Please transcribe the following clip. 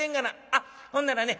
あっほんならね